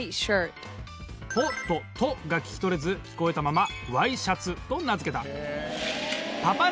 「ホ」と「ト」が聞き取れず聞こえたままワイシャツと名付けた。